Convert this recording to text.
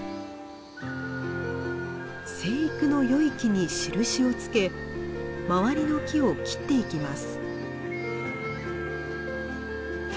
生育の良い木に印をつけ周りの木を切っていきます。